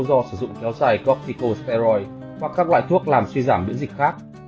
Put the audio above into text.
do sử dụng kéo dài corticosteroid và các loại thuốc làm suy giảm biễn dịch khác